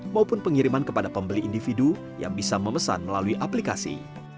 maupun pengiriman kepada pembeli individu yang bisa memesan melalui aplikasi